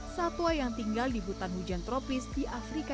satwa yang tinggal di hutan hujan tropis di afrika